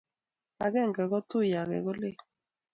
agenge ko tui age ko lel